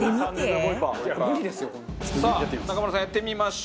さあ中丸さんやってみましょう。